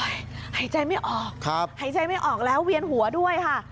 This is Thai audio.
หายใจไม่ออกหายใจไม่ออกแล้วเวียนหัวด้วยค่ะ